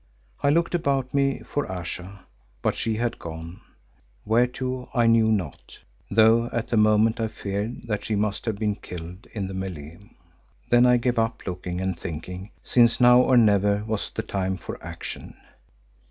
I looked about me for Ayesha, but she had gone, where to I knew not, though at the moment I feared that she must have been killed in the mêlée. Then I gave up looking and thinking, since now or never was the time for action.